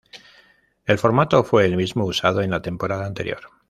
El formato fue el mismo usado en la temporada anterior.